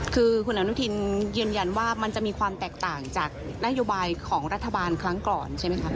คือคุณอนุทินยืนยันว่ามันจะมีความแตกต่างจากนโยบายของรัฐบาลครั้งก่อนใช่ไหมคะ